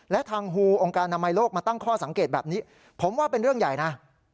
และทางฮูองค์การอนามัยโลกมาตั้งข้อสังเกตแบบนี้ผมว่าเป็นเรื่องใหญ่นะ